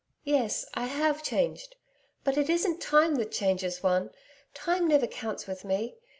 'Yes, I have changed. But it isn't time that changes one. Time never counts with me.